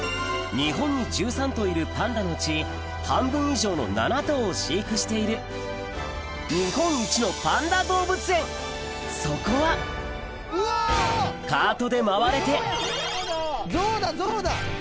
日本に１３頭いるパンダのうち半分以上の７頭を飼育しているそこはカートで回れてゾウだゾウだ！